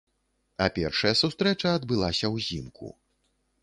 А першая сустрэча адбылася ўзімку.